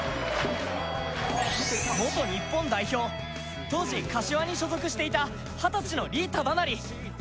元日本代表、当時柏に所属していた二十歳の李忠成。